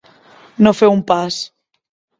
No fer un pas.